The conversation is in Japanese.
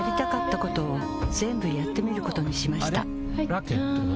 ラケットは？